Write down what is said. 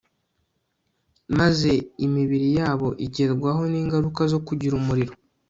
maze imibiri yabo igerwaho ningaruka zo kugira umuriro